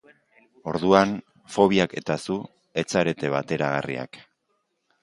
Orduan, fobiak eta zu ez zarete bateragarriak.